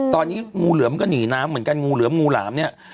ตอนนี้งูเหลือมก็หนีน้ำเหมือนกันงูเหลือมงูหลามเนี่ย